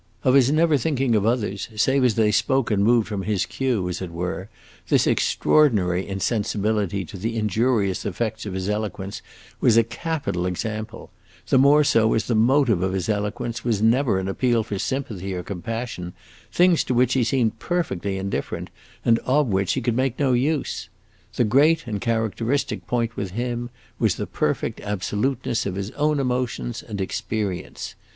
Of his never thinking of others, save as they spoke and moved from his cue, as it were, this extraordinary insensibility to the injurious effects of his eloquence was a capital example; the more so as the motive of his eloquence was never an appeal for sympathy or compassion, things to which he seemed perfectly indifferent and of which he could make no use. The great and characteristic point with him was the perfect absoluteness of his own emotions and experience.